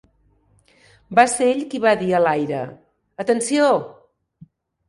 Va ser ell qui va dir a l'aire: "Atenció".